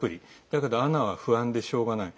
だけど、アナは不安でしょうがない。